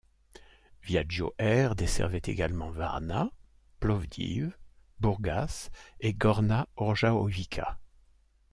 Viaggio Air desservait également Varna, Plovdiv Bourgas et Gorna Orjahovica.